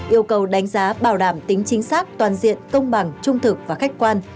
yêu cầu đánh giá bảo đảm tính chính xác toàn diện công bằng trung thực và khách quan